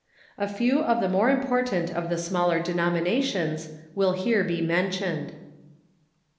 A few of the more important of the smaller denominations will here be mentioned.